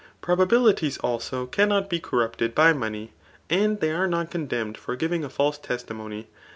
Probabilities, also, cannot be corrupted bf money ; and they are not condemned for giving a ialw testimony.